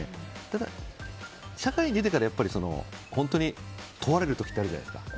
ただ、社会に出てから本当に問われる時ってあるじゃないですか。